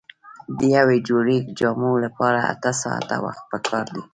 د یوې جوړې جامو لپاره اته ساعته وخت پکار دی.